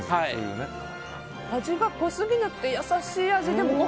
味が濃すぎなくて優しい味。